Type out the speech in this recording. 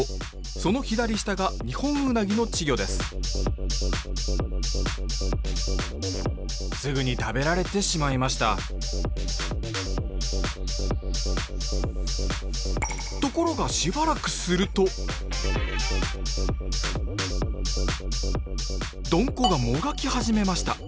その左下がニホンウナギの稚魚ですすぐに食べられてしまいましたところがしばらくするとドンコがもがき始めました。